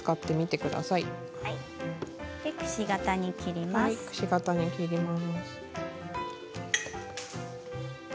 くし形に切ります。